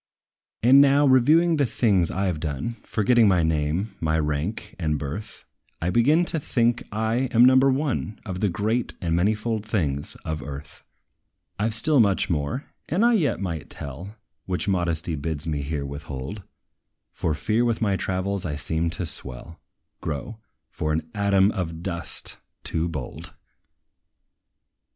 And now, reviewing the things I 've done, Forgetting my name, my rank and birth, I begin to think I am number one Of the great and manifold things of earth. I 've still much more, that I yet might tell, Which modesty bids me here withhold; For fear with my travels I seem to swell, grow, for an ATOM OF DUST, too bold!